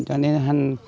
cho nên hành